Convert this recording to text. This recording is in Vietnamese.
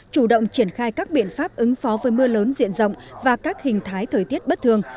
chủ động triển khai các biện pháp ứng phó với mưa lớn diện rộng và các hình thái thời tiết bất thường